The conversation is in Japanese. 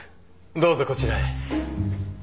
どうぞこちらへ。